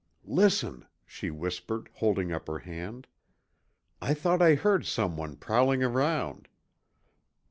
"Listen!" she whispered, holding up her hand. "I thought I heard someone prowling around."